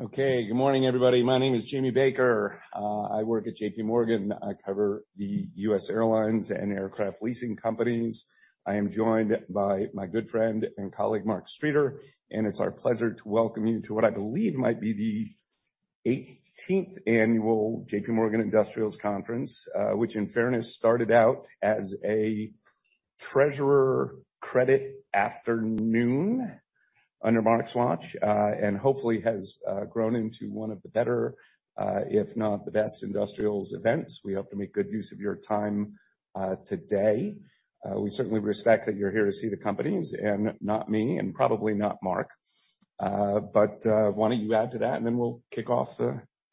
Okay. Good morning, everybody. My name is Jamie Baker. I work JPMorgan. I cover the U.S. Airlines and aircraft leasing companies. I am joined by my good friend and colleague, Mark Streeter. It's our pleasure to welcome you to what I believe might be the 18th annual JPMorgan industrials Conference, which in fairness, started out as a treasurer credit afternoon under Mark's watch, and hopefully has grown into one of the better, if not the best industrials events. We hope to make good use of your time, today. We certainly respect that you're here to see the companies and not me and probably not Mark. Why don't you add to that, and then we'll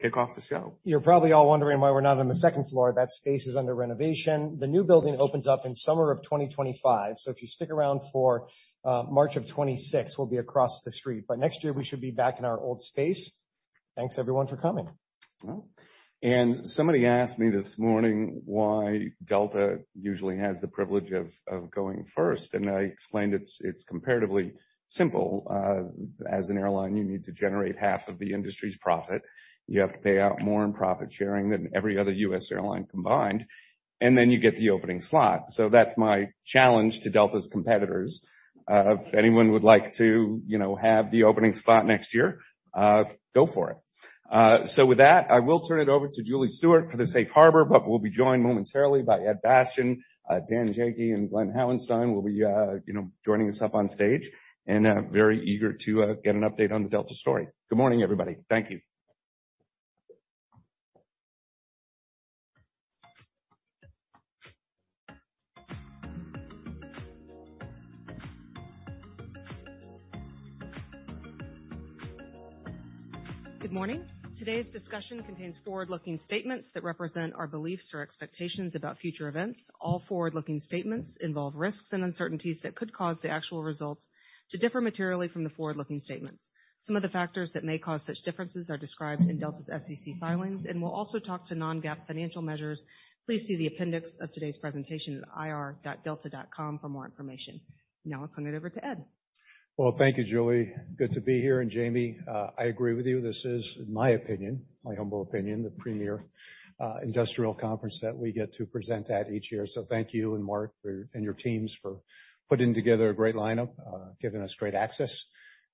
kick off the show. You're probably all wondering why we're not on the second floor. That space is under renovation. The new building opens up in summer of 2025. If you stick around for March of 2026, we'll be across the street, next year we should be back in our old space. Thanks, everyone, for coming. Somebody asked me this morning why Delta usually has the privilege of going first, and I explained it's comparatively simple. As an airline, you need to generate half of the industry's profit. You have to pay out more in profit-sharing than every other U.S. airline combined, and then you get the opening slot. That's my challenge to Delta's competitors. If anyone would like to, you know, have the opening spot next year, go for it. With that, I will turn it over to Julie Stewart for the Safe Harbor, but we'll be joined momentarily by Ed Bastian. Dan Janki and Glen Hauenstein will be, you know, joining us up on stage and very eager to get an update on the Delta story. Good morning, everybody. Thank you. Good morning. Today's discussion contains forward-looking statements that represent our beliefs or expectations about future events. All forward-looking statements involve risks and uncertainties that could cause the actual results to differ materially from the forward-looking statements. Some of the factors that may cause such differences are described in Delta's SEC filings, and we'll also talk to non-GAAP financial measures. Please see the appendix of today's presentation at ir.delta.com for more information. Now I'll turn it over to Ed. Well, thank you, Julie. Good to be here. Jamie, I agree with you. This is, in my opinion, my humble opinion, the premier industrial conference that we get to present at each year. Thank you and Mark for and your teams for putting together a great lineup, giving us great access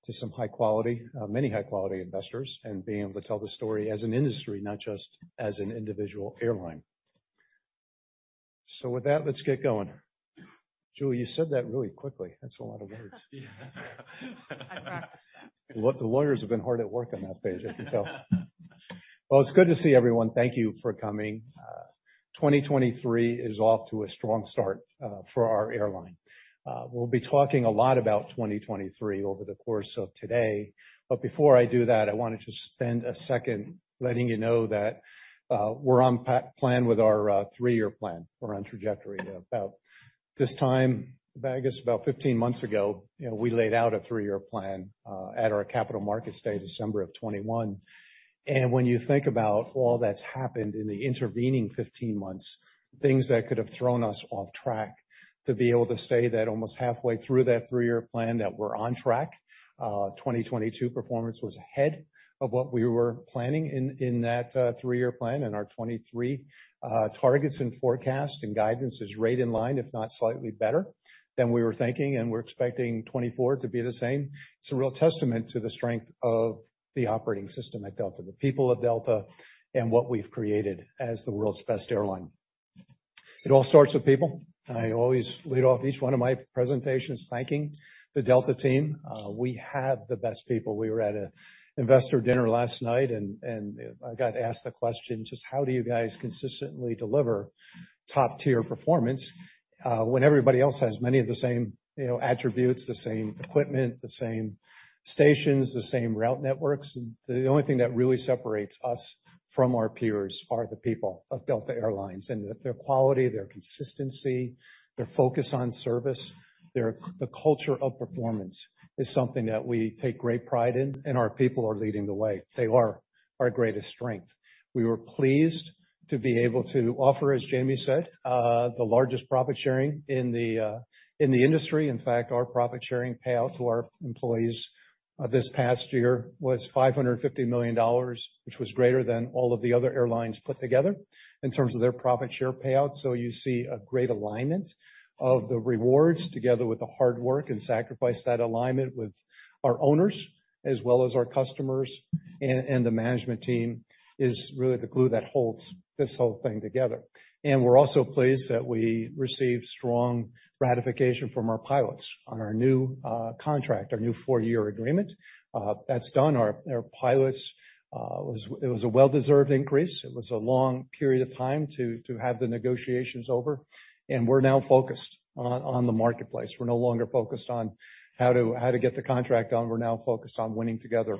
to some high quality, many high quality investors, and being able to tell the story as an industry, not just as an individual airline. With that, let's get going. Julie, you said that really quickly. That's a lot of words. Yeah. I practiced. The lawyers have been hard at work on that page, I can tell. Well, it's good to see everyone. Thank you for coming. 2023 is off to a strong start for our airline. We'll be talking a lot about 2023 over the course of today. Before I do that, I wanted to spend a second letting you know that we're on plan with our three-year plan. We're on trajectory. About this time, I guess about 15 months ago, you know, we laid out a three-year plan at our capital markets day, December of 2021. When you think about all that's happened in the intervening 15 months, things that could have thrown us off track to be able to say that almost halfway through that three-year plan that we're on track. 2022 performance was ahead of what we were planning in that three-year plan. Our 2023 targets and forecast and guidance is right in line, if not slightly better than we were thinking. We're expecting 2024 to be the same. It's a real testament to the strength of the operating system at Delta, the people of Delta and what we've created as the world's best airline. It all starts with people. I always lead off each one of my presentations thanking the Delta team. We have the best people. We were at a investor dinner last night, and I got asked the question, just how do you guys consistently deliver top tier performance when everybody else has many of the same, you know, attributes, the same equipment, the same stations, the same route networks? The only thing that really separates us from our peers are the people of Delta Air Lines. Their quality, their consistency, their focus on service, the culture of performance is something that we take great pride in. Our people are leading the way. They are our greatest strength. We were pleased to be able to offer, as Jamie said, the largest profit-sharing in the industry. Our profit-sharing payout to our employees this past year was $550 million, which was greater than all of the other airlines put together in terms of their profit share payouts. You see a great alignment of the rewards together with the hard work and sacrifice. Alignment with our owners as well as our customers and the management team is really the glue that holds this whole thing together. We're also pleased that we received strong ratification from our pilots on our new contract, our new four-year agreement. That's done. Our pilots, it was a well-deserved increase. It was a long period of time to have the negotiations over, we're now focused on the marketplace. We're no longer focused on how to, how to get the contract done. We're now focused on winning together,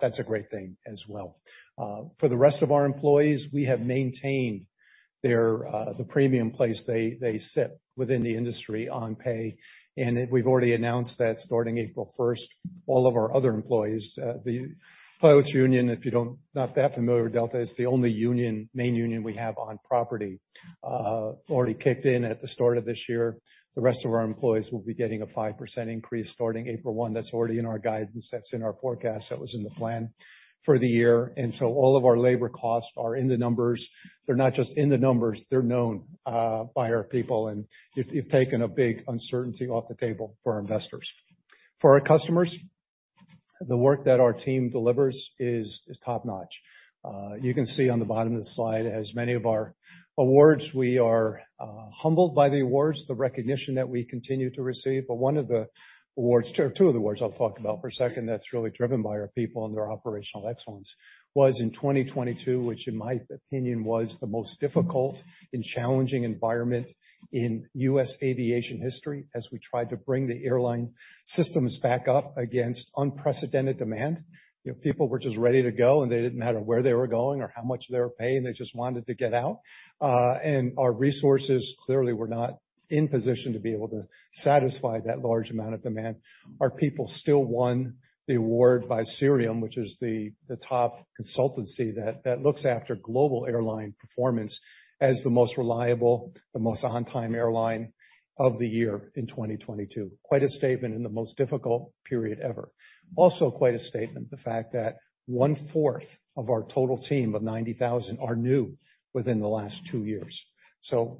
that's a great thing as well. For the rest of our employees, we have maintained their, the premium place they sit within the industry on pay. We've already announced that starting April 1st, all of our other employees, the pilots union, not that familiar with Delta, is the only union, main union we have on property, already kicked in at the start of this year. The rest of our employees will be getting a 5% increase starting April 1. That's already in our guidance. That's in our forecast. That was in the plan for the year. All of our labor costs are in the numbers. They're not just in the numbers, they're known by our people and you've taken a big uncertainty off the table for our investors. For our customers. The work that our team delivers is top-notch. You can see on the bottom of the slide as many of our awards, we are humbled by the awards, the recognition that we continue to receive. Two of the awards I'll talk about for a second that's really driven by our people and their operational excellence was in 2022, which in my opinion, was the most difficult and challenging environment in US aviation history as we tried to bring the airline systems back up against unprecedented demand. You know, people were just ready to go, and they didn't matter where they were going or how much they were paying, they just wanted to get out. Our resources, clearly, were not in position to be able to satisfy that large amount of demand. Our people still won the award by Cirium, which is the top consultancy that looks after global airline performance as the most reliable, the most on-time airline of the year in 2022. Quite a statement in the most difficult period ever. Quite a statement, the fact that 1/4 of our total team of 90,000 are new within the last two years.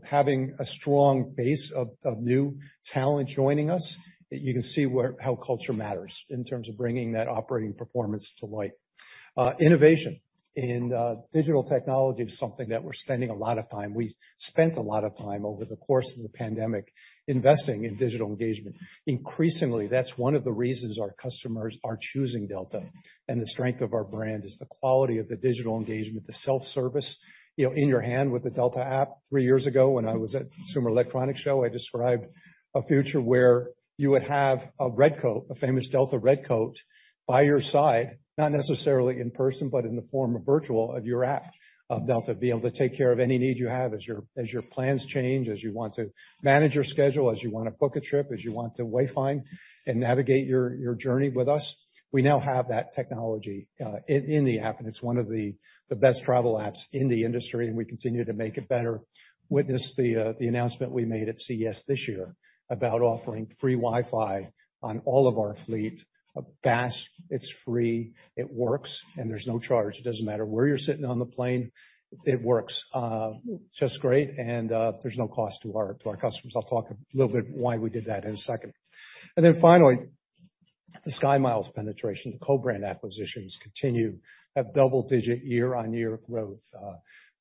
Having a strong base of new talent joining us, you can see how culture matters in terms of bringing that operating performance to light. Innovation in digital technology is something that we're spending a lot of time. We spent a lot of time over the course of the pandemic investing in digital engagement. Increasingly, that's one of the reasons our customers are choosing Delta, and the strength of our brand is the quality of the digital engagement, the self-service, you know, in your hand with the Delta app. Three years ago, when I was at Consumer Electronics Show, I described a future where you would have a Red Coat, a famous Delta Red Coat by your side, not necessarily in person, but in the form of virtual of your app, of Delta, be able to take care of any need you have as your plans change, as you want to manage your schedule, as you want to book a trip, as you want to wayfind and navigate your journey with us. We now have that technology in the app, and it's one of the best travel apps in the industry, and we continue to make it better. Witness the announcement we made at CES this year about offering free Wi-Fi on all of our fleet. Fast, it's free, it works, there's no charge. It doesn't matter where you're sitting on the plane, it works just great. There's no cost to our customers. I'll talk a little bit why we did that in a second. Finally, the SkyMiles penetration. The co-brand acquisitions continue at double-digit year-over-year growth.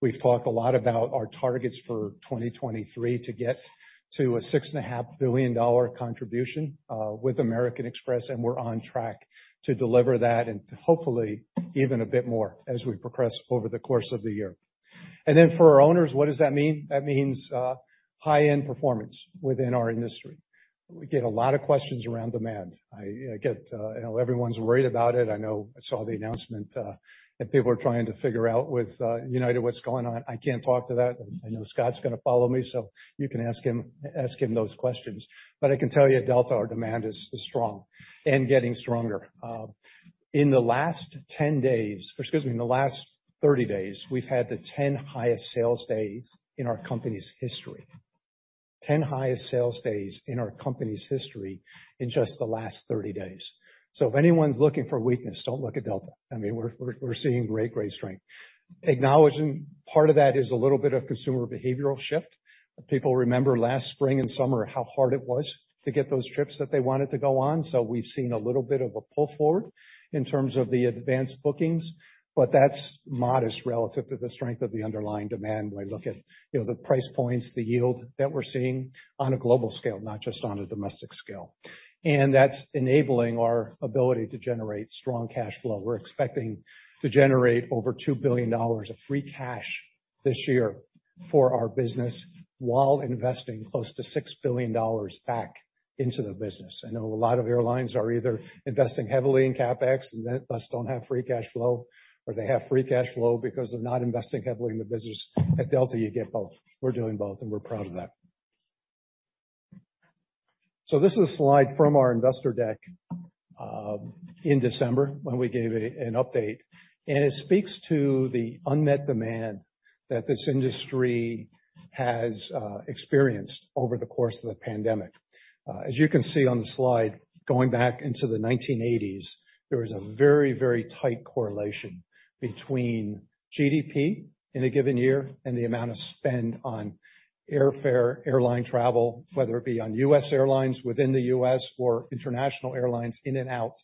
We've talked a lot about our targets for 2023 to get to a $6.5 billion contribution with American Express, we're on track to deliver that and to hopefully even a bit more as we progress over the course of the year. For our owners, what does that mean? That means high-end performance within our industry. We get a lot of questions around demand. I get, you know, everyone's worried about it. I know I saw the announcement that people are trying to figure out with United, what's going on. I can't talk to that. I know Scott's gonna follow me, so you can ask him those questions. I can tell you at Delta, our demand is strong and getting stronger. In the last 10 days, or excuse me, in the last 30 days, we've had the 10 highest sales days in our company's history. 10 highest sales days in our company's history in just the last 30 days. If anyone's looking for weakness, don't look at Delta. I mean, we're seeing great strength. Acknowledging part of that is a little bit of consumer behavioral shift. People remember last spring and summer how hard it was to get those trips that they wanted to go on. We've seen a little bit of a pull forward in terms of the advanced bookings, but that's modest relative to the strength of the underlying demand when I look at, you know, the price points, the yield that we're seeing on a global scale, not just on a domestic scale. That's enabling our ability to generate strong cash flow. We're expecting to generate over $2 billion of free cash this year for our business while investing close to $6 billion back into the business. I know a lot of airlines are either investing heavily in CapEx and thus don't have free cash flow, or they have free cash flow because of not investing heavily in the business. At Delta, you get both. We're doing both. We're proud of that. This is a slide from our investor deck in December when we gave an update, and it speaks to the unmet demand that this industry has experienced over the course of the pandemic. As you can see on the slide, going back into the 1980s, there was a very, very tight correlation between GDP in a given year and the amount of spend on airfare, airline travel, whether it be on U.S. airlines within the U.S. or international airlines in and out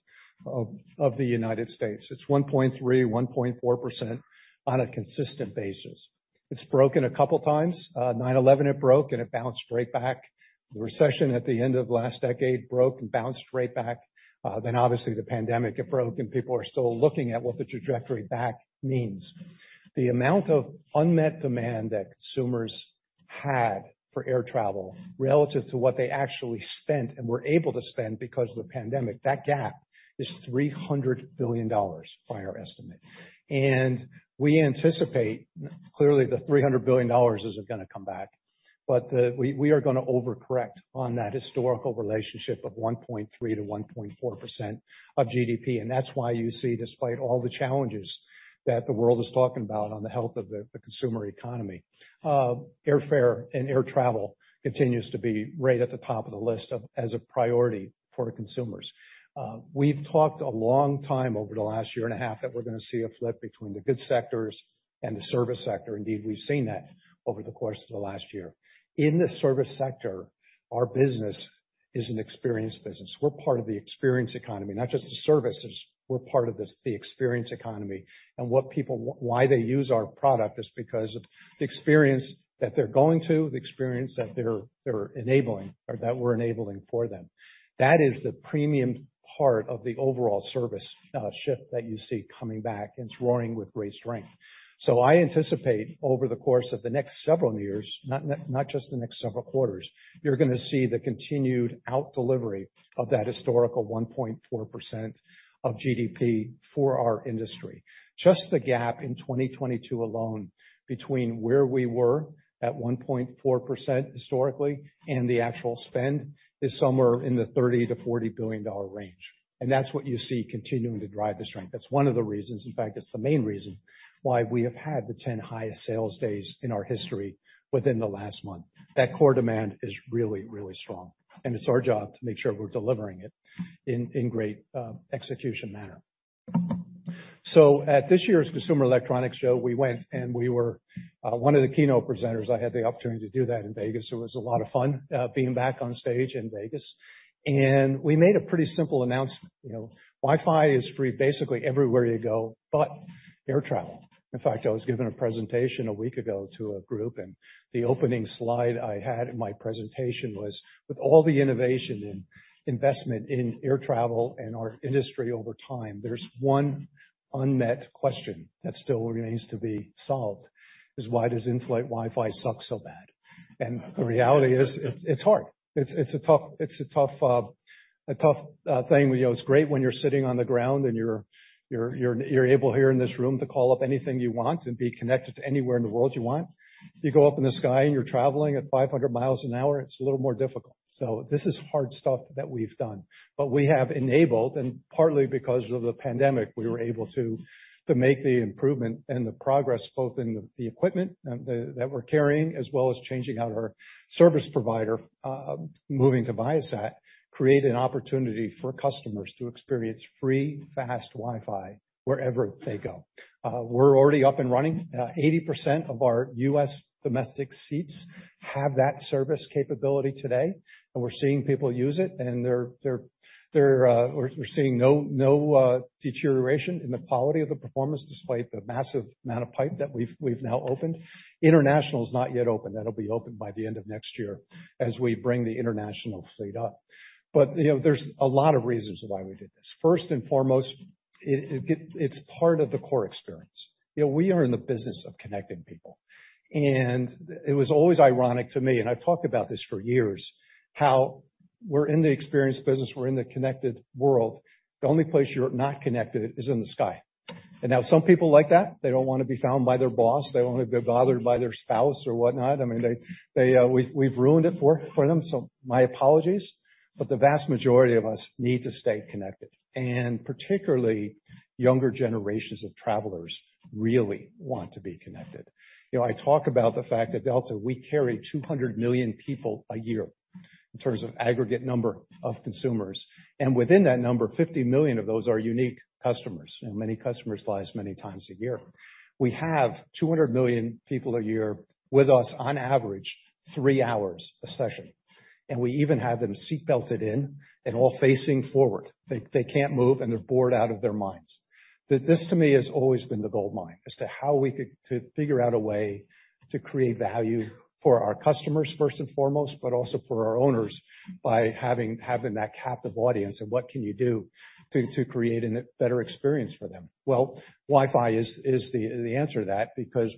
of the United States. It's 1.3%, 1.4% on a consistent basis. It's broken a couple times. 9/11 it broke, and it bounced straight back. The recession at the end of last decade broke and bounced straight back. Then obviously, the pandemic, it broke, people are still looking at what the trajectory back means. The amount of unmet demand that consumers had for air travel relative to what they actually spent and were able to spend because of the pandemic, that gap is $300 billion by our estimate. We anticipate, clearly, the $300 billion isn't gonna come back, but we are gonna over-correct on that historical relationship of 1.3% to 1.4% of GDP. That's why you see despite all the challenges that the world is talking about on the health of the consumer economy, airfare and air travel continues to be right at the top of the list as a priority for consumers. We've talked a long time over the last year and a half that we're gonna see a flip between the goods sectors and the service sector. Indeed, we've seen that over the course of the last year. In the service sector, our business is an experience business. We're part of the experience economy, not just the services. We're part of this, the experience economy, and what people why they use our product is because of the experience that they're going to, the experience that they're enabling or that we're enabling for them. That is the premium part of the overall service shift that you see coming back, and it's roaring with great strength. I anticipate over the course of the next several years, not just the next several quarters, you're gonna see the continued out delivery of that historical 1.4% of GDP for our industry. Just the gap in 2022 alone between where we were at 1.4% historically and the actual spend is somewhere in the $30 billion-$40 billion range, and that's what you see continuing to drive the strength. That's one of the reasons. In fact, it's the main reason why we have had the 10 highest sales days in our history within the last month. That core demand is really strong, and it's our job to make sure we're delivering it in great execution manner. At this year's Consumer Electronics Show, we went and we were one of the keynote presenters. I had the opportunity to do that in Vegas. It was a lot of fun being back on stage in Vegas. We made a pretty simple announcement. You know, Wi-Fi is free basically everywhere you go, but air travel. In fact, I was giving a presentation a week ago to a group. The opening slide I had in my presentation was, with all the innovation and investment in air travel and our industry over time, there's one unmet question that still remains to be solved, is why does in-flight Wi-Fi suck so bad? The reality is it's hard. It's a tough, a tough thing. You know, it's great when you're sitting on the ground and you're, you're able here in this room to call up anything you want and be connected to anywhere in the world you want. You go up in the sky and you're traveling at 500 mi an hour, it's a little more difficult. This is hard stuff that we've done. We have enabled and partly because of the pandemic, we were able to make the improvement and the progress both in the equipment that we're carrying, as well as changing out our service provider, moving to Viasat, create an opportunity for customers to experience free fast Wi-Fi wherever they go. We're already up and running. 80% of our US domestic seats have that service capability today, and we're seeing people use it, and they're seeing no deterioration in the quality of the performance, despite the massive amount of pipe that we've now opened. International is not yet open. That'll be open by the end of next year as we bring the international fleet up. You know, there's a lot of reasons why we did this. First and foremost, it's part of the core experience. You know, we are in the business of connecting people. It was always ironic to me, and I've talked about this for years, how we're in the experience business, we're in the connected world. The only place you're not connected is in the sky. Now some people like that. They don't wanna be found by their boss. They don't wanna be bothered by their spouse or whatnot. I mean, they ruined it for them. My apologies, but the vast majority of us need to stay connected, and particularly younger generations of travelers really want to be connected. You know, I talk about the fact that Delta, we carry 200 million people a year in terms of aggregate number of consumers, and within that number, 50 million of those are unique customers. You know, many customers flies many times a year. We have 200 million people a year with us on average, three hours a session. We even have them seat belted in and all facing forward. They can't move, and they're bored out of their minds. This, to me, has always been the goldmine as to how we could to figure out a way to create value for our customers first and foremost, but also for our owners by having that captive audience and what can you do to create an, better experience for them. Well, Wi-Fi is the answer to that because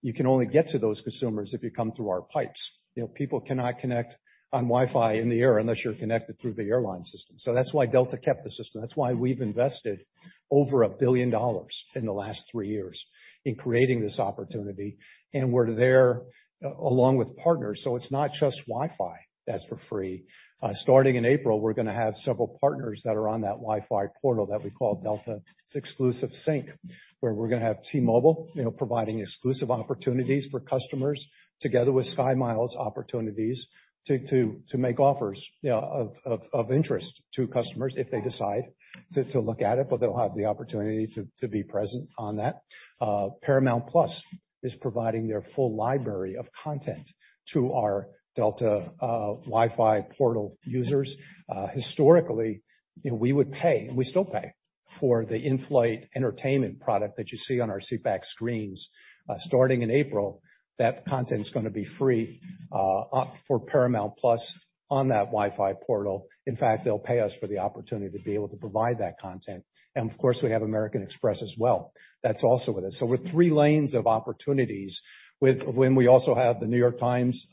you can only get to those consumers if you come through our pipes. You know, people cannot connect on Wi-Fi in the air unless you're connected through the airline system. That's why Delta kept the system. That's why we've invested over $1 billion in the last three years in creating this opportunity. We're there along with partners, it's not just Wi-Fi that's for free. Starting in April, we're gonna have several partners that are on that Wi-Fi portal that we call Delta Sync, where we're gonna have T-Mobile, you know, providing exclusive opportunities for customers together with SkyMiles opportunities to make offers, you know, of interest to customers if they decide to look at it, but they'll have the opportunity to be present on that. Paramount+ is providing their full library of content to our Delta Wi-Fi portal users. Historically, you know, we would pay, and we still pay for the in-flight entertainment product that you see on our seat back screens. Starting in April, that content is gonna be free for Paramount+ on that Wi-Fi portal. In fact, they'll pay us for the opportunity to be able to provide that content. Of course, we have American Express as well. That's also with us. We're three lanes of opportunities when we also have The New York Times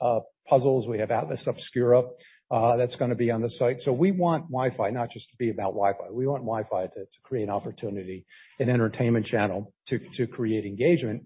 puzzles, we have Atlas Obscura that's gonna be on the site. We want Wi-Fi not just to be about Wi-Fi. We want Wi-Fi to create an opportunity, an entertainment channel to create engagement.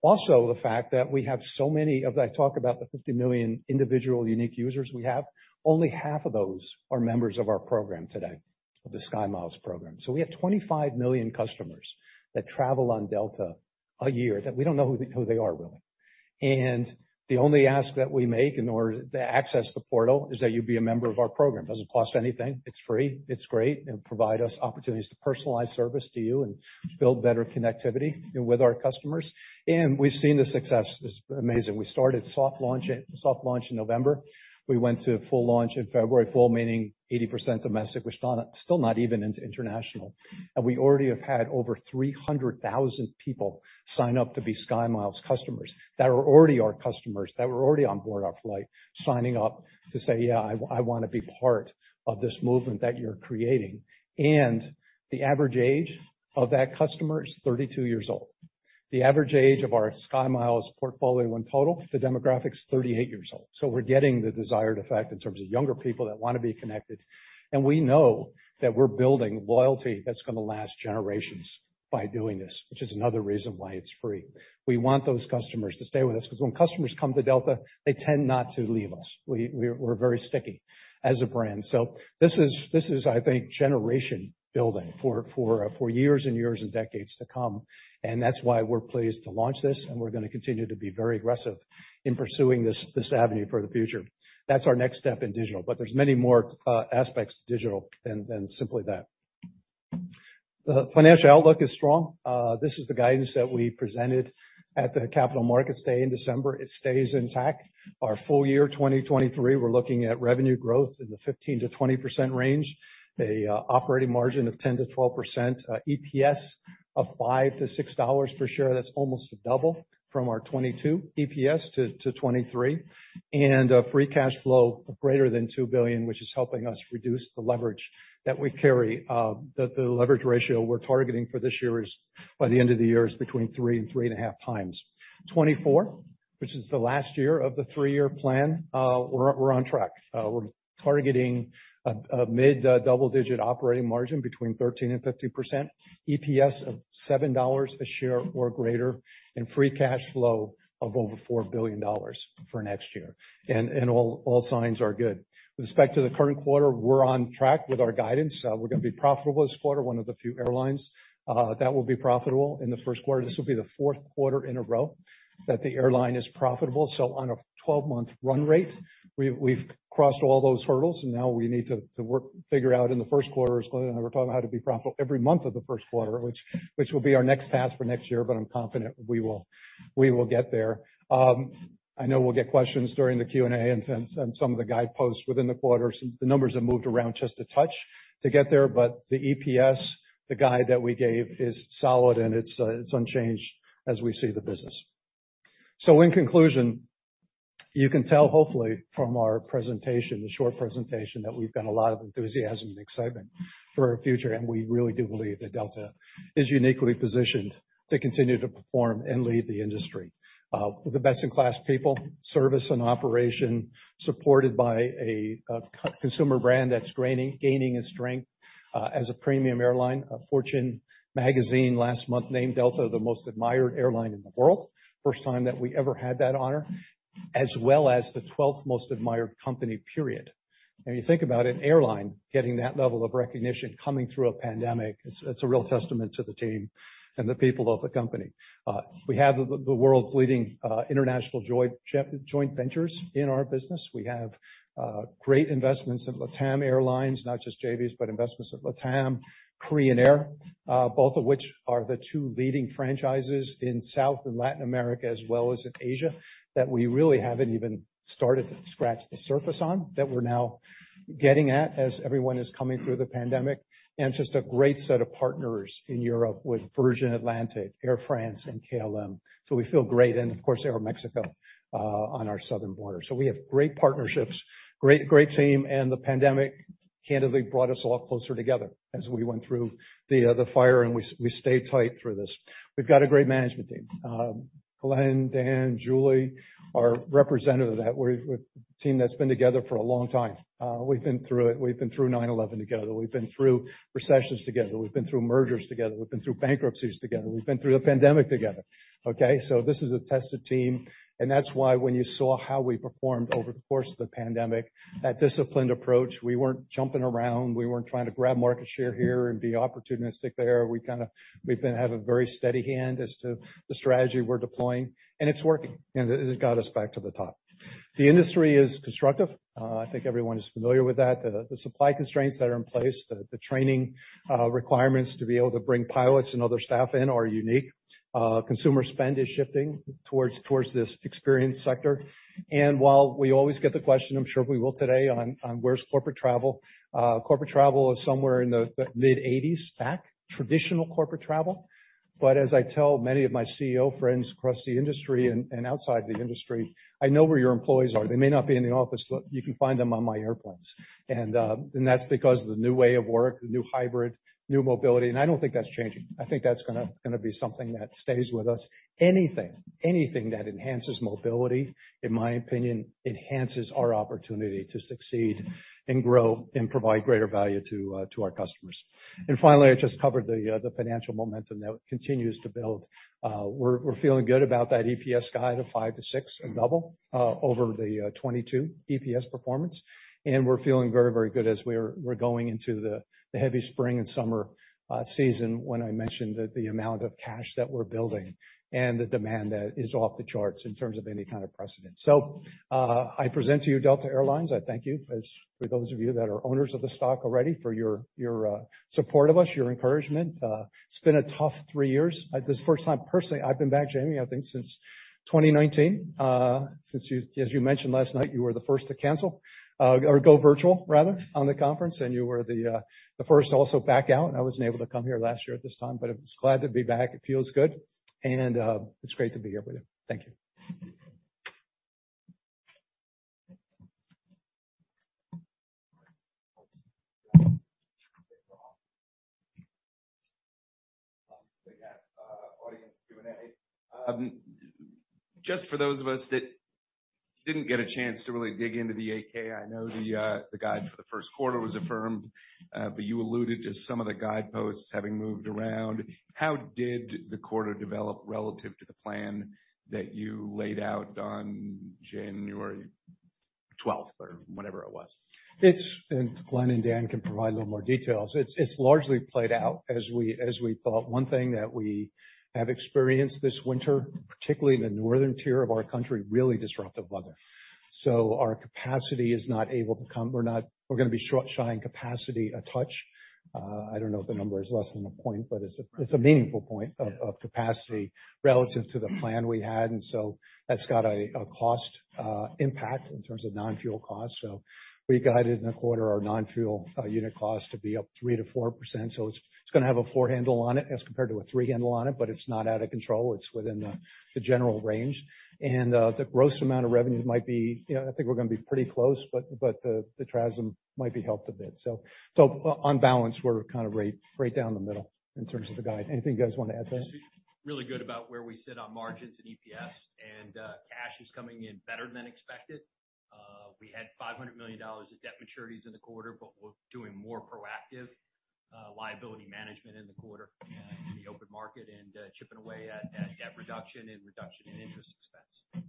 Also, the fact that we have so many of the... I talk about the 50 million individual unique users we have. Only half of those are members of our program today, of the SkyMiles program. We have 25 million customers that travel on Delta a year that we don't know who they are, really. The only ask that we make in order to access the portal is that you be a member of our program. Doesn't cost anything. It's free. It's great. It'll provide us opportunities to personalize service to you and build better connectivity with our customers. We've seen the success. It's amazing. We started soft launch in November. We went to full launch in February. Full meaning 80% domestic. We're still not even into international. We already have had over 300,000 people sign up to be SkyMiles customers that are already our customers, that were already on board our flight, signing up to say, "Yeah, I want to be part of this movement that you're creating." The average age of that customer is 32 years old. The average age of our SkyMiles portfolio in total, the demographic is 38 years old. We're getting the desired effect in terms of younger people that want to be connected. We know that we're building loyalty that's gonna last generations by doing this, which is another reason why it's free. We want those customers to stay with us 'cause when customers come to Delta, they tend not to leave us. We're very sticky as a brand. This is, I think, generation-building for years and years and decades to come. That's why we're pleased to launch this, and we're gonna continue to be very aggressive in pursuing this avenue for the future. That's our next step in digital, there's many more aspects to digital than simply that. The financial outlook is strong. This is the guidance that we presented at the Capital Markets Day in December. It stays intact. Our full year 2023, we're looking at revenue growth in the 15%-20% range. Operating margin of 10%-12%. EPS of $5-$6 per share. That's almost a double from our 2022 EPS to 2023. Free cash flow of greater than $2 billion, which is helping us reduce the leverage that we carry. The leverage ratio we're targeting for this year is, by the end of the year, is between three and three and a half times. 2024, which is the last year of the three-year plan, we're on track. We're targeting a mid-double-digit operating margin between 13% and 50%. EPS of $7 a share or greater, and free cash flow of over $4 billion for next year. All signs are good. With respect to the current quarter, we're on track with our guidance. we're gonna be profitable this quarter, one of the few airlines, that will be profitable in the first quarter. This will be the fourth quarter in a row that the airline is profitable. On a 12 month run rate, we've crossed all those hurdles, and now we need to figure out in the first quarter, as Glen and I were talking, how to be profitable every month of the first quarter, which will be our next task for next year, but I'm confident we will get there. I know we'll get questions during the Q&A and on some of the guideposts within the quarter. The numbers have moved around just a touch to get there, but the EPS, the guide that we gave is solid, and it's unchanged as we see the business. In conclusion, you can tell hopefully from our presentation, the short presentation, that we've got a lot of enthusiasm and excitement for our future, and we really do believe that Delta is uniquely positioned to continue to perform and lead the industry. With the best-in-class people, service and operation, supported by a consumer brand that's gaining in strength, as a premium airline. Fortune magazine last month named Delta the most admired airline in the world. First time that we ever had that honor, as well as the twelfth most admired company, period. When you think about an airline getting that level of recognition coming through a pandemic, it's a real testament to the team and the people of the company. We have the world's leading international joint ventures in our business. We have great investments in LATAM Airlines, not just JVs, but investments in LATAM, Korean Air, both of which are the two leading franchises in South and Latin America, as well as in Asia, that we really haven't even started to scratch the surface on, that we're now getting at as everyone is coming through the pandemic. Just a great set of partners in Europe with Virgin Atlantic, Air France and KLM. We feel great. Of course, Aeroméxico on our southern border. We have great partnerships, great team, and the pandemic candidly brought us a lot closer together as we went through the fire, and we stayed tight through this. We've got a great management team. Glen, Dan, Julie are representative of that. We're a team that's been together for a long time. We've been through it. We've been through 9/11 together. We've been through recessions together. We've been through mergers together. We've been through bankruptcies together. We've been through the pandemic together, okay? This is a tested team. That's why when you saw how we performed over the course of the pandemic, that disciplined approach, we weren't jumping around. We weren't trying to grab market share here and be opportunistic there. We've been have a very steady hand as to the strategy we're deploying. It's working. It has got us back to the top. The industry is constructive. I think everyone is familiar with that. The supply constraints that are in place, the training requirements to be able to bring pilots and other staff in are unique. Consumer spend is shifting towards this experience sector. While we always get the question, I'm sure we will today, on where's corporate travel? Corporate travel is somewhere in the mid-1980s, back, traditional corporate travel. As I tell many of my CEO friends across the industry and outside the industry, I know where your employees are. They may not be in the office, but you can find them on my airplanes. That's because of the new way of work, the new hybrid, new mobility, and I don't think that's changing. I think that's gonna be something that stays with us. Anything that enhances mobility, in my opinion, enhances our opportunity to succeed and grow and provide greater value to our customers. Finally, I just covered the financial momentum that continues to build. We're feeling good about that EPS guide of $5-$6, a double over the 2022 EPS performance. We're feeling very good as we're going into the heavy spring and summer season when I mentioned that the amount of cash that we're building and the demand that is off the charts in terms of any kind of precedent. I present to you Delta Air Lines. I thank you, for those of you that are owners of the stock already, for your support of us, your encouragement. It's been a tough three years. At this first time, personally, I've been back, Jamie, I think since 2019. Since as you mentioned last night, you were the first to cancel, or go virtual rather, on the conference, and you were the first to also back out. I wasn't able to come here last year at this time, but I'm just glad to be back. It feels good. It's great to be here with you. Thank you. Audience Q&A. Just for those of us that didn't get a chance to really dig into the 8-K, I know the guide for the first quarter was affirmed, but you alluded to some of the guideposts having moved around. How did the quarter develop relative to the plan that you laid out on January twelfth or whenever it was? It's, Glen and Dan can provide a little more details. It's largely played out as we, as we thought. One thing that we have experienced this winter, particularly in the northern tier of our country, really disruptive weather. Our capacity is not able to. We're gonna be short, shy in capacity a touch. I don't know if the number is less than 1 point, but it's a meaningful point of capacity relative to the plan we had, that's got a cost impact in terms of non-fuel costs. We guided in the quarter our non-fuel unit cost to be up 3%-4%. It's gonna have a four handle on it as compared to a three handle on it's not out of control. It's within the general range. The gross amount of revenue might be, you know, I think we're gonna be pretty close, but the TRASM might be helped a bit. On balance, we're kind of right down the middle in terms of the guide. Anything you guys want to add to that? Feel really good about where we sit on margins and EPS, and cash is coming in better than expected. We had $500 million of debt maturities in the quarter, but we're doing more proactive liability management in the quarter in the open market and chipping away at debt reduction and reduction in interest expense.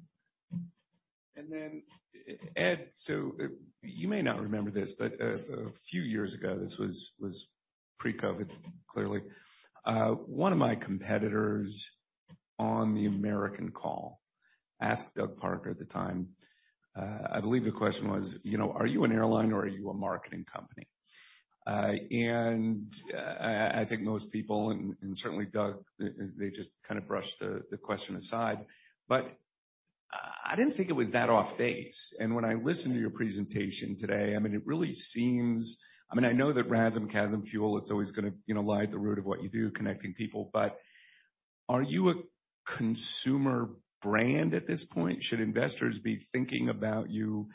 Ed, you may not remember this, but a few years ago, this was pre-COVID, clearly. One of my competitors on the American call asked Doug Parker at the time, I believe the question was, you know, "Are you an airline or are you a marketing company?" I think most people and certainly Doug, they just kind of brushed the question aside, but I didn't think it was that off base. When I listen to your presentation today, I mean, it really seems... I mean, I know that RASM, CASM, fuel, it's always gonna, you know, lie at the root of what you do, connecting people. Are you a consumer brand at this point? Should investors be thinking about you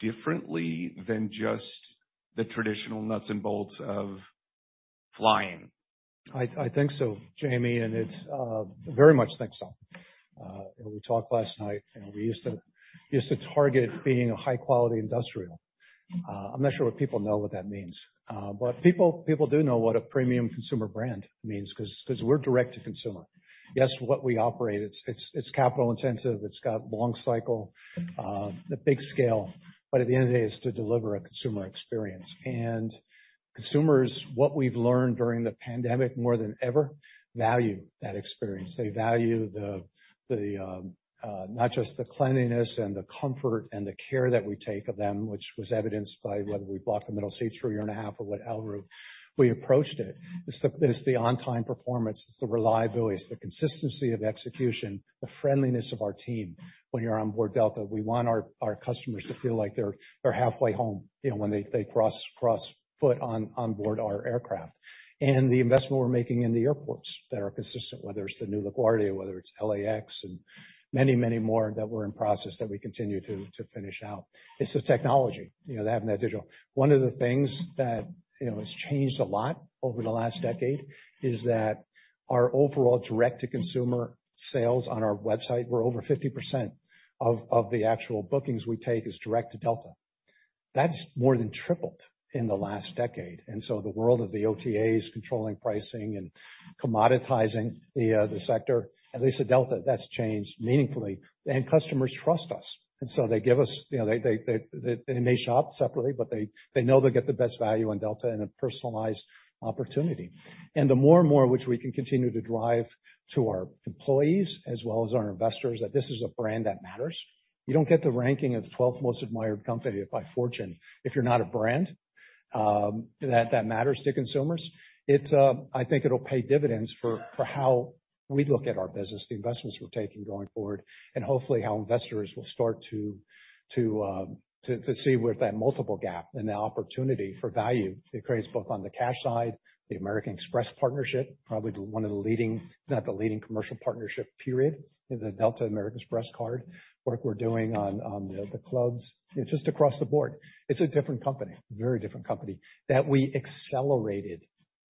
differently than just the traditional nuts and bolts of flying? I think so, Jamie, and it's very much think so. We talked last night. You know, we used to target being a high-quality industrial. I'm not sure what people know what that means. People do know what a premium consumer brand means 'cause we're direct-to-consumer. Yes, what we operate, it's capital intensive, it's got long cycle at big scale. At the end of the day, it's to deliver a consumer experience. Consumers, what we've learned during the pandemic more than ever, value that experience. They value the not just the cleanliness and the comfort and the care that we take of them, which was evidenced by whether we blocked the middle seats for a year and a half or whatever route we approached it. It's the on-time performance, it's the reliability, it's the consistency of execution, the friendliness of our team when you're on board Delta. We want our customers to feel like they're halfway home, you know, when they cross foot onboard our aircraft. The investment we're making in the airports that are consistent, whether it's the new LaGuardia, whether it's LAX and many, many more that we're in process that we continue to finish out. It's the technology, you know, having that digital. One of the things that, you know, has changed a lot over the last decade is that our overall direct-to-consumer sales on our website were over 50% of the actual bookings we take is direct to Delta. That's more than tripled in the last decade. The world of the OTAs controlling pricing and commoditizing the sector, at least at Delta, that's changed meaningfully. Customers trust us. They give us, you know, they may shop separately, but they know they get the best value on Delta in a personalized opportunity. The more and more which we can continue to drive to our employees as well as our investors that this is a brand that matters. You don't get the ranking of 12th most admired company by Fortune if you're not a brand that matters to consumers. It, I think it'll pay dividends for how we look at our business, the investments we're taking going forward, and hopefully how investors will start to see where that multiple gap and the opportunity for value it creates both on the cash side, the American Express partnership, probably one of the leading, if not the leading commercial partnership period in the Delta American Express card. Work we're doing on the clubs, you know, just across the board. It's a different company, very different company that we accelerated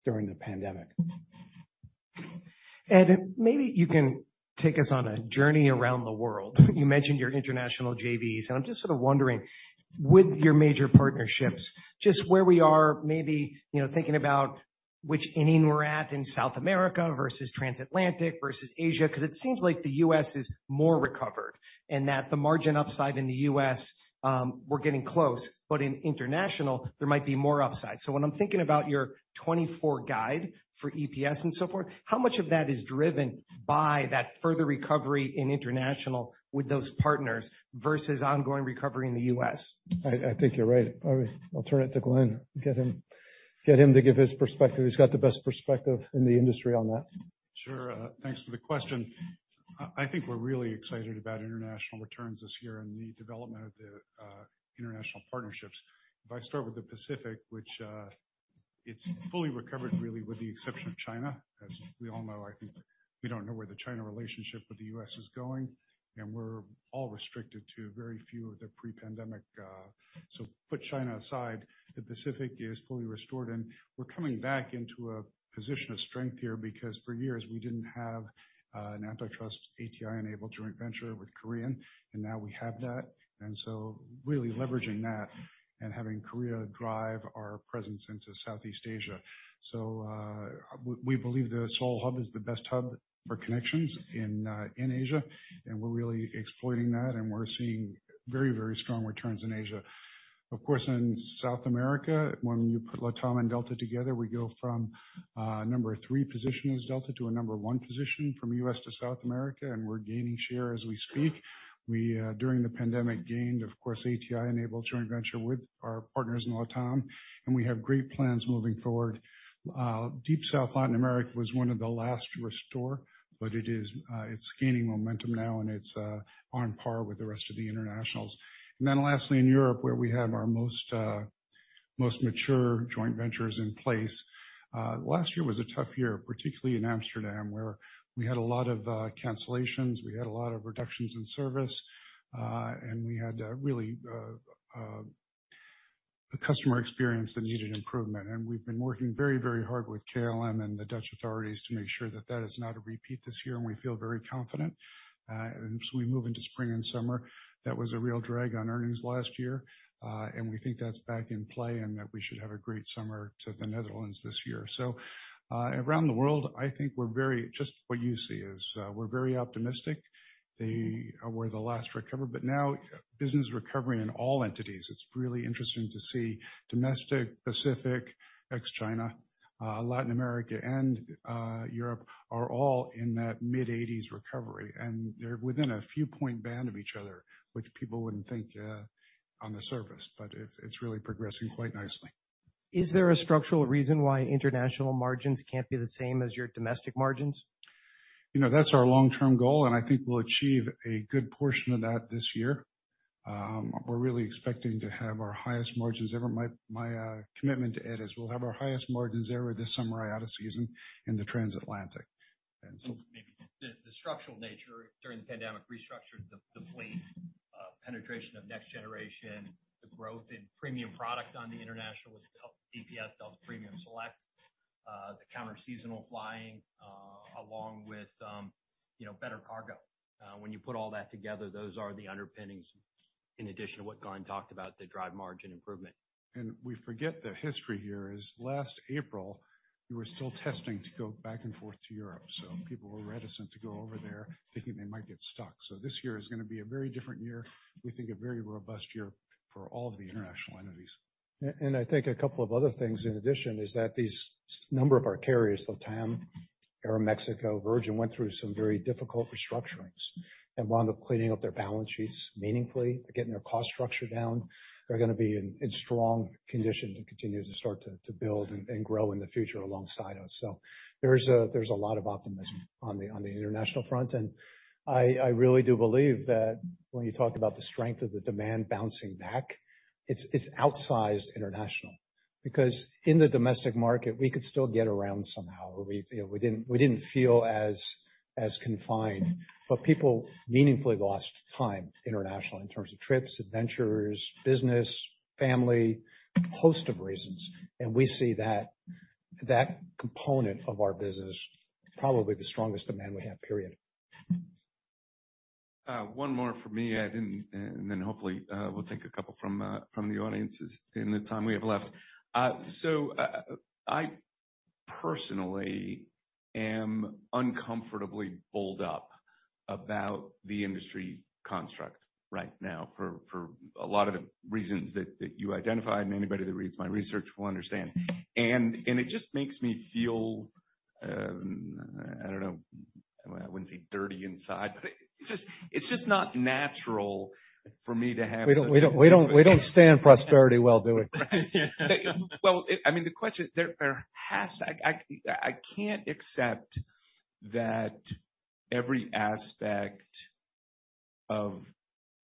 during the pandemic. Ed, maybe you can take us on a journey around the world. You mentioned your international JVs. I'm just sort of wondering, with your major partnerships, just where we are, maybe, you know, thinking about which inning we're at in South America versus Transatlantic versus Asia, 'cause it seems like the U.S. is more recovered and that the margin upside in the U.S., we're getting close. In international, there might be more upside. When I'm thinking about your 2024 guide for EPS and so forth, how much of that is driven by that further recovery in international with those partners versus ongoing recovery in the U.S.? I think you're right. I'll turn it to Glen, get him to give his perspective. He's got the best perspective in the industry on that. Sure. Thanks for the question. I think we're really excited about international returns this year and the development of the international partnerships. If I start with the Pacific, which, it's fully recovered really with the exception of China. As we all know, I think we don't know where the China relationship with the U.S. is going, and we're all restricted to very few of the pre-pandemic. Put China aside, the Pacific is fully restored, and we're coming back into a position of strength here because for years, we didn't have an antitrust ATI-enabled joint venture with Korean, and now we have that. Really leveraging that and having Korea drive our presence into Southeast Asia. We, we believe the Seoul hub is the best hub for connections in Asia, and we're really exploiting that, and we're seeing very, very strong returns in Asia. Of course, in South America, when you put LATAM and Delta together, we go from number three position as Delta to a number one position from U.S. to South America, and we're gaining share as we speak. We, during the pandemic, gained, of course, ATI-enabled joint venture with our partners in LATAM, and we have great plans moving forward. Deep South Latin America was one of the last to restore, but it is, it's gaining momentum now, and it's on par with the rest of the internationals. Lastly, in Europe, where we have our most mature joint ventures in place. Last year was a tough year, particularly in Amsterdam, where we had a lot of cancellations, we had a lot of reductions in service, and we had really a customer experience that needed improvement. We've been working very, very hard with KLM and the Dutch authorities to make sure that that is not a repeat this year, and we feel very confident as we move into spring and summer. That was a real drag on earnings last year, and we think that's back in play and that we should have a great summer to the Netherlands this year. Around the world, I think we're very, just what you see is, we're very optimistic. They were the last to recover. Now business recovery in all entities, it's really interesting to see Domestic, Pacific, ex-China, Latin America and Europe are all in that mid-1980s recovery. They're within a few point band of each other, which people wouldn't think on the surface, but it's really progressing quite nicely. Is there a structural reason why international margins can't be the same as your domestic margins? You know, that's our long-term goal, and I think we'll achieve a good portion of that this year. We're really expecting to have our highest margins ever. My commitment to Ed is we'll have our highest margins ever this summer out of season in the transatlantic. Maybe the structural nature during the pandemic restructured the fleet, penetration of next generation, the growth in premium product on the international with DPS, Delta Premium Select, the counter seasonal flying, along with, you know, better cargo. When you put all that together, those are the underpinnings in addition to what Glen talked about that drive margin improvement. We forget the history here is last April, we were still testing to go back and forth to Europe, so people were reticent to go over there thinking they might get stuck. This year is gonna be a very different year. We think a very robust year for all of the international entities. I think a couple of other things in addition is that these number of our carriers, LATAM, Aeroméxico, Virgin, went through some very difficult restructurings and wound up cleaning up their balance sheets meaningfully. They're getting their cost structure down. They're gonna be in strong condition to continue to start to build and grow in the future alongside us. There's a lot of optimism on the international front. I really do believe that when you talk about the strength of the demand bouncing back, it's outsized international because in the domestic market, we could still get around somehow. We, you know, we didn't feel as confined, but people meaningfully lost time international in terms of trips, adventures, business, family, host of reasons. We see that component of our business, probably the strongest demand we have, period. One more for me. Hopefully, we'll take a couple from the audiences in the time we have left. I personally am uncomfortably bulled up about the industry construct right now for a lot of the reasons that you identified, and anybody that reads my research will understand. It just makes me feel, I don't know, I wouldn't say dirty inside, but it's just, it's just not natural for me. We don't stand prosperity well, do we? Right. Well, I mean, the question, there has. I can't accept that every aspect of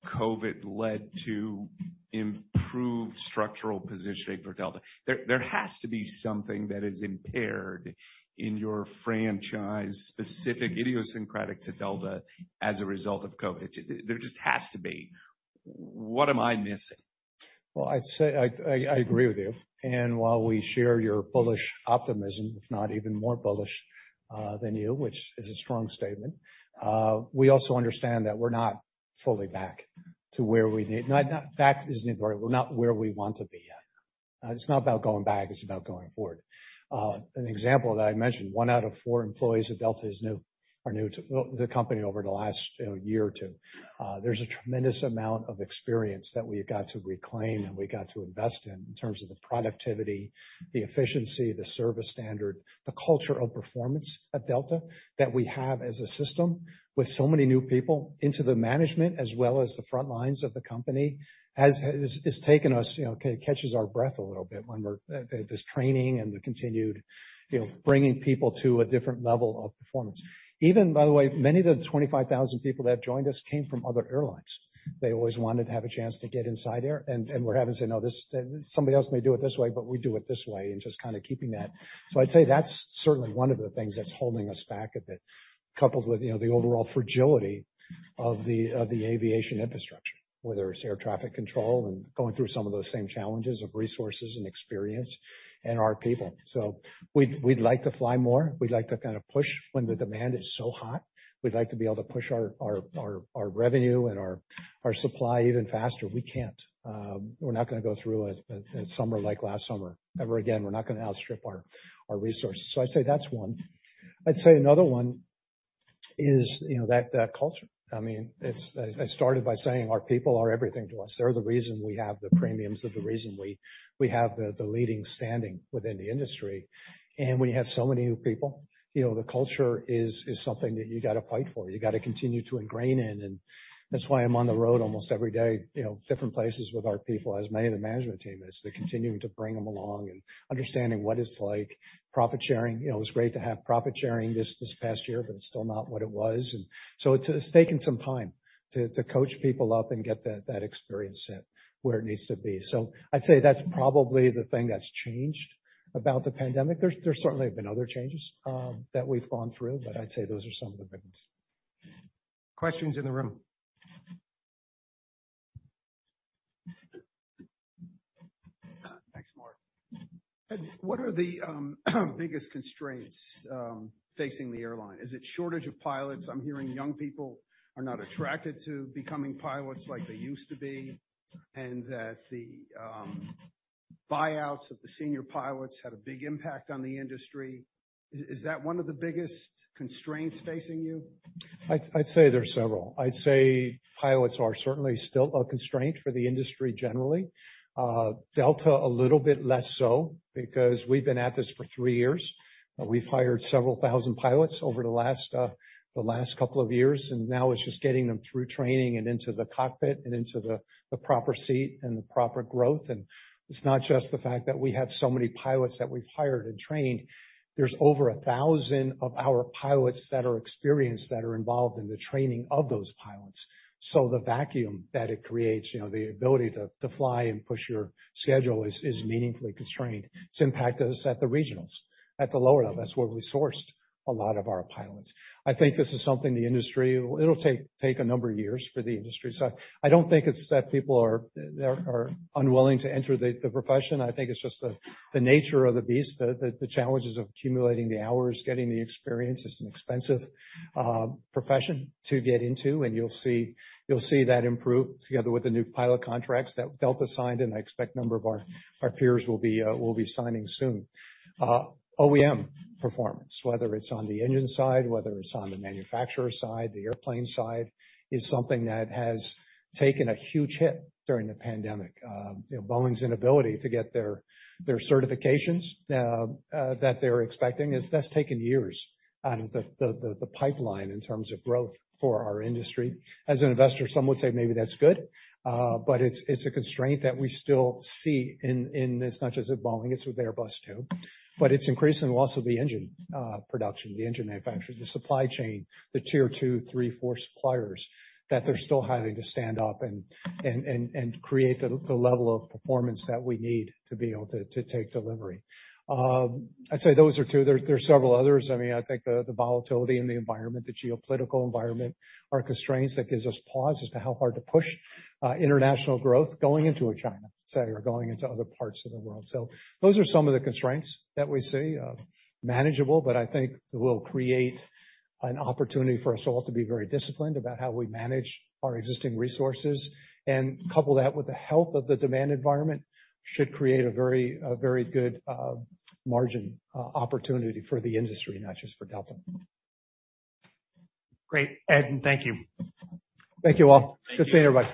COVID led to improved structural positioning for Delta. There has to be something that is impaired in your franchise, specific idiosyncratic to Delta as a result of COVID. There just has to be. What am I missing? Well, I'd say I agree with you. While we share your bullish optimism, if not even more bullish than you, which is a strong statement, we also understand that we're not fully back to where we need. Not, back isn't even the right word, we're not where we want to be yet. It's not about going back, it's about going forward. An example that I mentioned, one out of four employees at Delta are new to the company over the last, you know, year or two. There's a tremendous amount of experience that we've got to reclaim and we got to invest in in terms of the productivity, the efficiency, the service standard, the culture of performance at Delta that we have as a system with so many new people into the management as well as the front lines of the company, it's taken us, you know, kinda catches our breath a little bit when we're this training and the continued, you know, bringing people to a different level of performance. Even by the way, many of the 25,000 people that have joined us came from other airlines. They always wanted to have a chance to get inside there and we're having to say, "No, somebody else may do it this way, but we do it this way," and just kinda keeping that. I'd say that's certainly one of the things that's holding us back a bit, coupled with, you know, the overall fragility of the aviation infrastructure, whether it's air traffic control and going through some of those same challenges of resources and experience and our people. We'd like to fly more. We'd like to kind of push when the demand is so hot. We'd like to be able to push our revenue and our supply even faster. We can't. We're not gonna go through a summer like last summer ever again. We're not gonna outstrip our resources. I'd say that's one. I'd say another one is, you know, that culture. I mean, it's. I started by saying our people are everything to us. They're the reason we have the premiums. They're the reason we have the leading standing within the industry. When you have so many new people, you know, the culture is something that you gotta fight for. You gotta continue to ingrain in and that's why I'm on the road almost every day, you know, different places with our people as many of the management team is, to continuing to bring them along and understanding what it's like. Profit sharing, you know, it was great to have profit sharing this past year, but it's still not what it was. It's taken some time to coach people up and get that experience set where it needs to be. I'd say that's probably the thing that's changed about the pandemic. There's certainly been other changes that we've gone through, but I'd say those are some of the big ones. Questions in the room. Thanks, Mark. Ed, what are the biggest constraints facing the airline? Is it shortage of pilots? I'm hearing young people are not attracted to becoming pilots like they used to be, and that the buyouts of the senior pilots had a big impact on the industry. Is that one of the biggest constraints facing you? I'd say there are several. I'd say pilots are certainly still a constraint for the industry generally. Delta, a little bit less so because we've been at this for three years. We've hired several thousand pilots over the last couple of years, and now it's just getting them through training and into the cockpit and into the proper seat and the proper growth. It's not just the fact that we have so many pilots that we've hired and trained. There's over thousand of our pilots that are experienced, that are involved in the training of those pilots. The vacuum that it creates, you know, the ability to fly and push your schedule is meaningfully constrained. It's impacted us at the regionals, at the lower level. That's where we sourced a lot of our pilots. I think this is something the industry, it'll take a number of years for the industry. I don't think it's that people are unwilling to enter the profession. I think it's just the nature of the beast, the challenges of accumulating the hours, getting the experience. It's an expensive profession to get into, and you'll see that improve together with the new pilot contracts that Delta signed, and I expect a number of our peers will be signing soon. OEM performance, whether it's on the engine side, whether it's on the manufacturer side, the airplane side, is something that has taken a huge hit during the pandemic. You know, Boeing's inability to get their certifications that's taken years out of the pipeline in terms of growth for our industry. As an investor, some would say maybe that's good, but it's a constraint that we still see in as much as with Boeing, it's with Airbus too. It's increasing loss of the engine production, the engine manufacturers, the supply chain, the tier two, three, four suppliers that they're still having to stand up and create the level of performance that we need to take delivery. I'd say those are two. There are several others. I mean, I think the volatility in the environment, the geopolitical environment are constraints that gives us pause as to how hard to push international growth going into a China, say, or going into other parts of the world. Those are some of the constraints that we see. Manageable, but I think will create an opportunity for us all to be very disciplined about how we manage our existing resources. Couple that with the health of the demand environment should create a very good margin opportunity for the industry, not just for Delta. Great. Ed, thank you. Thank you, all. Good seeing everybody.